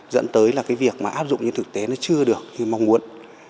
dẫn tới việc áp dụng như thực tế chưa được như mong muốn